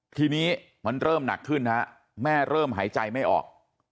ทีนี้มันเริ่มหนักขึ้นฮะแม่เริ่มหายใจไม่ออก